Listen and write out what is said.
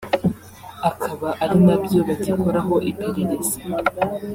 akaba ari nabyo bagikoraho iperereza